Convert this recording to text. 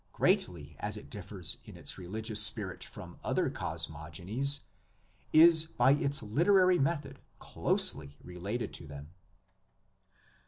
greatly as it differs in its religious spirit from other cosmogonies, is by its literary method closely related to them.